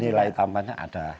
nilai tambahnya ada